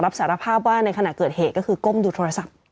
สารภาพว่าในขณะเกิดเหตุก็คือก้มดูโทรศัพท์